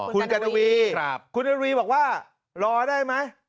คุณกะนวีครับคุณกะนวีบอกว่ารอได้ไหม